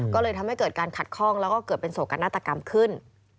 ก็เลยทำให้เกิดการขัดข้องแล้วก็เกิดเป็นโศกนาฏกรรมขึ้น